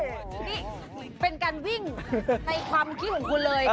นี่เป็นการวิ่งในความคิดของคุณเลย